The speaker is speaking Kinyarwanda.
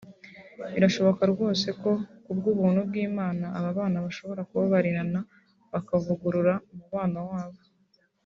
birashoboka rwose ko kubw’ubuntu bw’Imana ababana bashobora kubabarirana bakavugurura umubano wabo